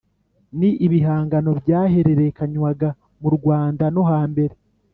Ni ibihangano byahererekanwaga mu Rwanda no hambere,